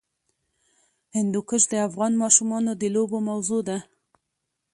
هندوکش د افغان ماشومانو د لوبو موضوع ده.